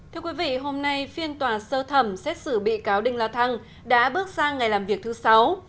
thưa quý vị hôm nay phiên tòa sơ thẩm xét xử bị cáo đinh la thăng đã bước sang ngày làm việc thứ sáu